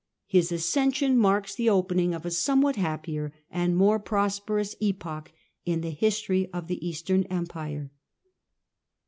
His accession marks the opening of a somewhat happier and more prosperous epoch in the history of the Eastern Empire.